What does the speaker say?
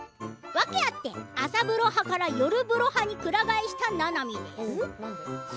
訳あって朝風呂派から夜風呂派にくら替えしたななみです。